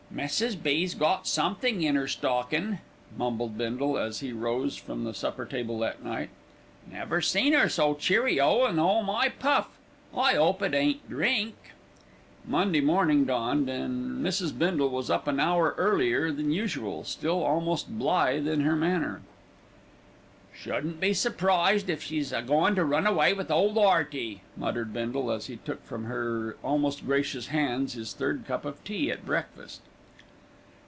"Mrs. B.'s got somethink in 'er stockin'," mumbled Bindle, as he rose from the supper table that night. "Never seen 'er so cheerio in all my puff. I 'ope it ain't drink." Monday morning dawned, and Mrs. Bindle was up an hour earlier than usual, still almost blithe in her manner. "Shouldn't be surprised if she's a goin' to run away with ole 'Earty," muttered Bindle, as he took from her almost gracious hands his third cup of tea at breakfast.